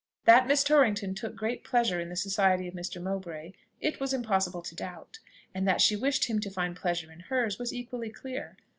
That Miss Torrington took great pleasure in the society of Mr. Mowbray, it was impossible to doubt; and that she wished him to find pleasure in hers, was equally clear.